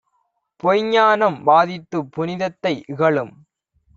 பொய்ஞ்ஞானம் வாதித்துப் புனிதத்தை இகழும்